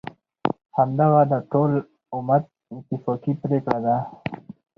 همدغه د ټول امت اتفاقی پریکړه ده،